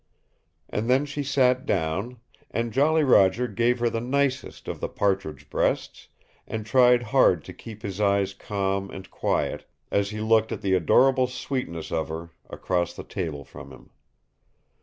And then she sat down, and Jolly Roger gave her the nicest of the partridge breasts, and tried hard to keep his eyes calm and quiet as he looked at the adorable sweetness of her across the table from him.